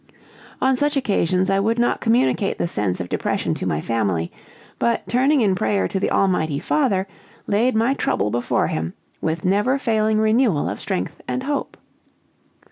On such occasions, I would not communicate the sense of depression to my family, but, turning in prayer to the Almighty Father, laid my trouble before Him, with never failing renewal of strength and hope.